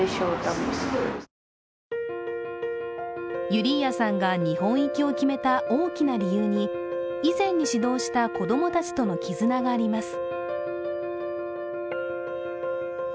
ユリーアさんが日本行きを決めた大きな理由に以前に指導した子供たちとの絆があります。